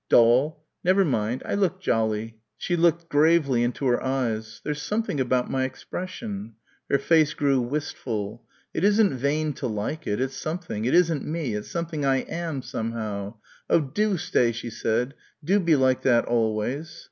Doll! Never mind. I look jolly. She looked gravely into her eyes.... There's something about my expression." Her face grew wistful. "It isn't vain to like it. It's something. It isn't me. It's something I am, somehow. Oh, do stay," she said, "do be like that always."